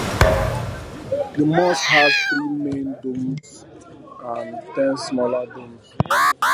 The mosque has three main domes and ten smaller domes.